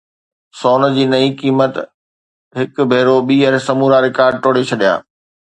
سون جي نئين قيمت هڪ ڀيرو ٻيهر سمورا رڪارڊ ٽوڙي ڇڏيا